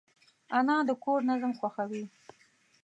انا د کور نظم خوښوي